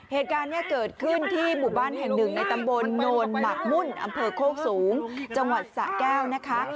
เหตุการณ์นี้เกิดขึ้นที่หมู่บ้านแห่งหนึ่งในตำบลโนนหมักมุ่นอำเภอโคกสูงจังหวัดสะแก้วนะคะ